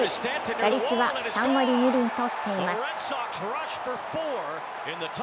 打率は３割２厘としています。